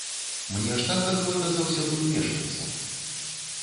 Мне ж так ахвота заўсёды ўмешвацца!